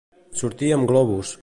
Sortir amb globus.